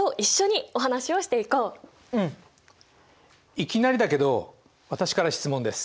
いきなりだけど私から質問です。